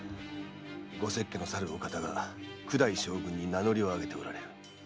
五摂家のさるお方が九代将軍に名乗りをあげておられる。